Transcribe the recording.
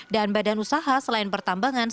dan badan usaha selain bertambah kemampuan